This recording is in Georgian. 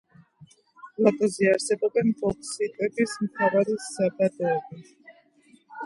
პლატოზე არსებობენ ბოქსიტების მთავარი საბადოები.